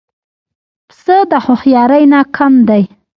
پسه د هوښیارۍ نه کم دی.